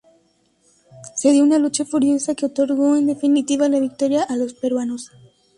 Se dio una lucha furiosa que otorgó en definitiva la victoria a los peruanos.